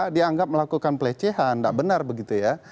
dianggap melakukan pelecehan tidak benar begitu ya